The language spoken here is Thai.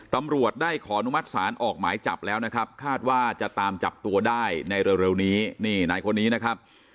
ตำรวจได้ขออนุมัติศาลออกหมายจับแล้วนะครับคาดว่าจะตามจับตัวได้ในเร็วนี้นี่นายคนนี้นะครับ